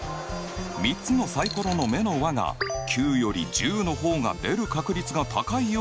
３つのサイコロの目の和が９より１０の方が出る確率が高いように感じる。